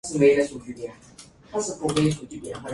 It is on the slope of the Casablanca Volcano.